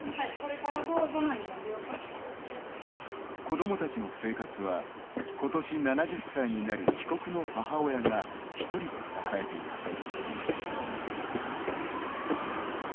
子どもたちの生活はことし７０歳になる被告の母親が一人で支えています。